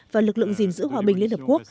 và lực lượng gìn giữ hòa bình liên hợp quốc